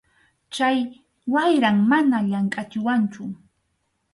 Chay wayram mana llamkʼachiwanchu.